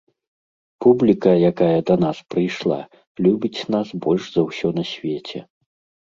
Публіка, якая да нас прыйшла, любіць нас больш за ўсё на свеце.